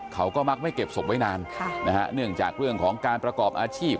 มักไม่เก็บศพไว้นานค่ะนะฮะเนื่องจากเรื่องของการประกอบอาชีพ